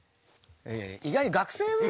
意外に学生運動。